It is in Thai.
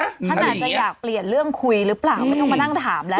ท่านอาจจะอยากเปลี่ยนเรื่องคุยหรือเปล่าไม่ต้องมานั่งถามแล้ว